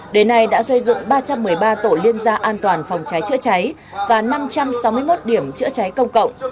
đến nay đã xây dựng ba trăm một mươi ba tổ liên gia an toàn phòng cháy chữa cháy và năm trăm sáu mươi một điểm chữa cháy công cộng